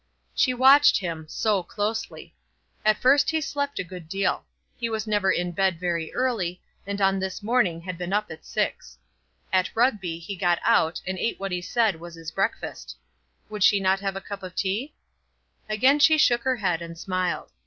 She watched him, so closely. At first he slept a good deal. He was never in bed very early, and on this morning had been up at six. At Rugby he got out and ate what he said was his breakfast. Would not she have a cup of tea? Again she shook her head and smiled.